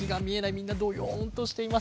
みんなどよんとしています。